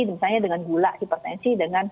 misalnya dengan gula hipertensi dengan